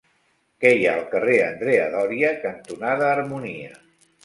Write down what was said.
Què hi ha al carrer Andrea Doria cantonada Harmonia?